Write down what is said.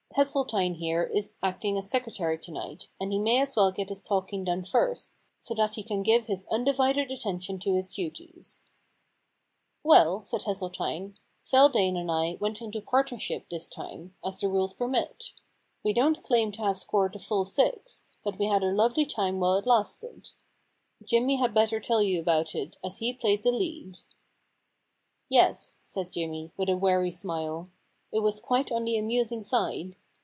Hesseltine here is acting as secretary to night, and he may as well get his talking done first, so that he can give his undivided attention to his duties.' 148 The Impersonation Problem * Well/ said Hesseltine, * Feldane and I went into partnership this time, as the rules permit. We don't claim to have scored the full six, but we had a lovely time while it lasted. Jimmy had better tell you about it, as he played the lead.* * Yes,' said Jimmy, with a weary smile, * it was quite on the amusing side.